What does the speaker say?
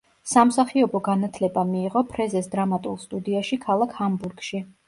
სამსახიობო განათლება მიიღო ფრეზეს დრამატულ სტუდიაში ქალაქ ჰამბურგში.